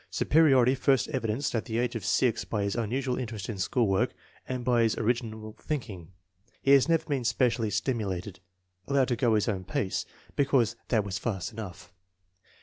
Superiority first evidenced at the age of 6 by his unusual interest in school work and by his orig inal thinking. Has never been specially stimulated. Allowed to go his own pace "because that was fast enough."